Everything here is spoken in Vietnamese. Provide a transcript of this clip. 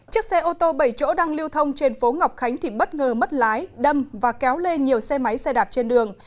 chiếc xe ô tô bảy chỗ đang lưu thông trên phố ngọc khánh thì bất ngờ mất lái đâm và kéo lê nhiều xe máy xe đạp trên đường